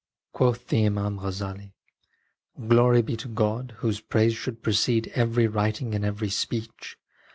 Quoth the Imam Ghazzali : Glory be to God, Whose praise should precede every writing and every speech